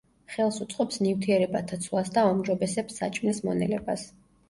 ხელს უწყობს ნივთიერებათა ცვლას და აუმჯობესებს საჭმლის მონელებას.